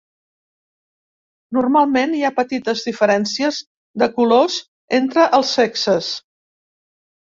Normalment hi ha petites diferències de colors entre els sexes.